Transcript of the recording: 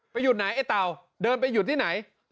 หยุดไหนไอ้เต่าเดินไปหยุดที่ไหน